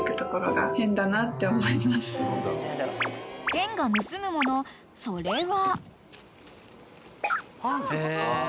［てんが盗むものそれは］